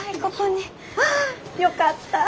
よかった。